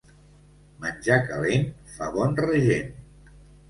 Menjar calent fa bon regent.